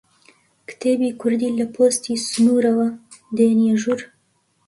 کتێبی کوردی لە پۆستی سنوورەوە دێنیە ژوور؟